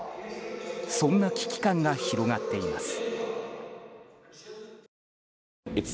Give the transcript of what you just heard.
そんな危機感が広がっています。